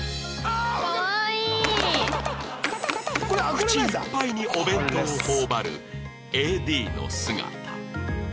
口いっぱいにお弁当を頬張る ＡＤ の姿